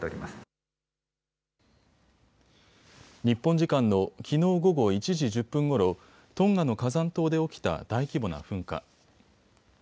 日本時間のきのう午後１時１０分ごろ、トンガの火山島で起きた大規模な噴火。